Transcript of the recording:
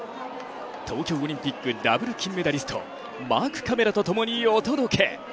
東京オリンピックダブル金メダリスト、マークカメラと共にお届け。